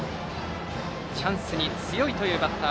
チャンスに強いというバッター。